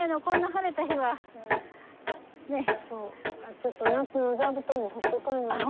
ちょっと夏の座布団も干しとかんなんし。